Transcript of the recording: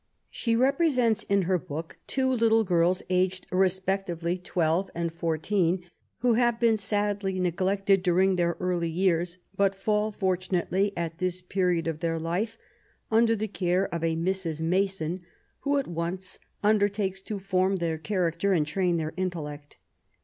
She represents, in her book, two little girls, aged re spectively twelve and fourteen, who have been sadly neglected during their early years, but fall, fortunately, at this period of their life, under the care of a Mrs. Mason, who at once undertakes to form their character and train their intellect.